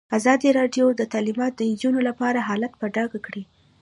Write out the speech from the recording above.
ازادي راډیو د تعلیمات د نجونو لپاره حالت په ډاګه کړی.